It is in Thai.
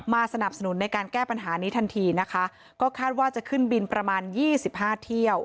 สนับสนุนในการแก้ปัญหานี้ทันทีนะคะก็คาดว่าจะขึ้นบินประมาณยี่สิบห้าเที่ยว